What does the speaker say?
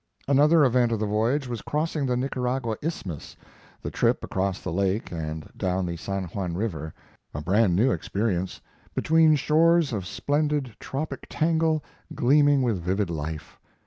Another event of the voyage was crossing the Nicaragua Isthmus the trip across the lake and down the San Juan River a brand new experience, between shores of splendid tropic tangle, gleaming with vivid life.